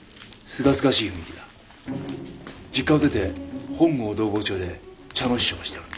実家を出て本郷同朋町で茶の師匠をしておる。